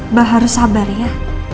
mbak harus sabar ya